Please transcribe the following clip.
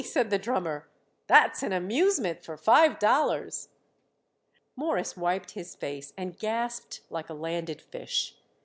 said the drummer. "That's an amusement for five dollars." Morris wiped his face and gasped like a landed fish.